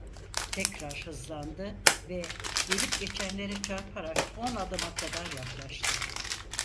Tekrar hızlandı ve gelip geçenlere çarparak on adıma kadar yaklaştı.